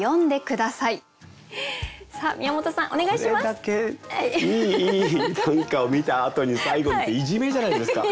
これだけいい短歌を見たあとに最後っていじめじゃないですか！